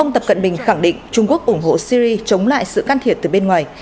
ông tập cận bình khẳng định trung quốc ủng hộ syri chống lại sự can thiệp từ bên ngoài